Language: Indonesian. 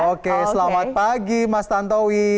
oke selamat pagi mas tantowi